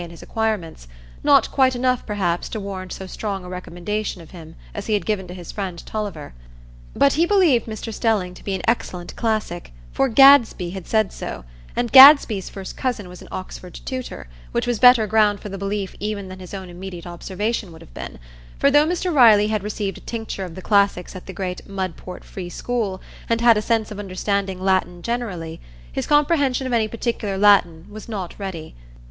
and his acquirements,—not quite enough, perhaps, to warrant so strong a recommendation of him as he had given to his friend Tulliver. But he believed Mr Stelling to be an excellent classic, for Gadsby had said so, and Gadsby's first cousin was an Oxford tutor; which was better ground for the belief even than his own immediate observation would have been, for though Mr Riley had received a tincture of the classics at the great Mudport Free School, and had a sense of understanding Latin generally, his comprehension of any particular Latin was not ready.